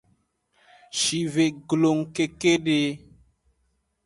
Shive glong kekede.